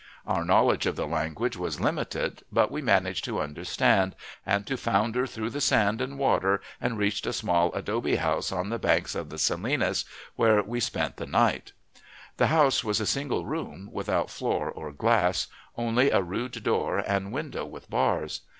Our knowledge of the language was limited, but we managed to understand, and to founder through the sand and water, and reached a small adobe house on the banks of the Salinas, where we spent the night: The house was a single room, without floor or glass; only a rude door, and window with bars.